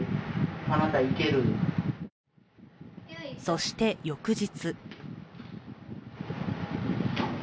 そして翌日。